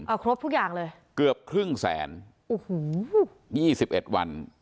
เอาครบทุกอย่างเลยเกือบครึ่งแสน๒๑วัน